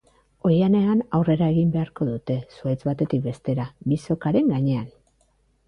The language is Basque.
Oihanean aurrera egin beharko dute, zuhaitz batetik bestera, bi sokaren gainean.